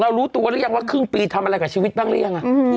รู้ตัวหรือยังว่าครึ่งปีทำอะไรกับชีวิตบ้างหรือยัง